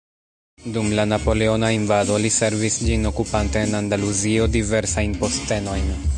Dum la napoleona invado li servis ĝin okupante en Andaluzio diversajn postenojn.